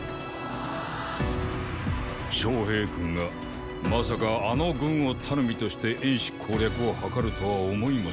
昌平君がまさかあの軍を頼みとして衍氏攻略を謀るとは思いもしませんでした。